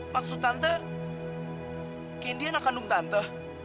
maksud tante candy anak kandung tante